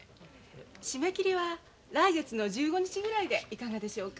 締め切りは来月の１５日ぐらいでいかがでしょうか？